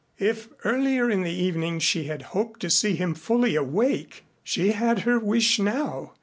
If, earlier in the evening she had hoped to see him fully awake, she had her wish now.